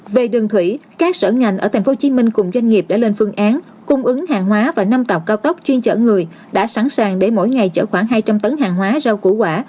về đường thủy các sở ngành ở tp hcm cùng doanh nghiệp đã lên phương án cung ứng hàng hóa và năm tàu cao tốc chuyên chở người đã sẵn sàng để mỗi ngày chở khoảng hai trăm linh tấn hàng hóa rau củ quả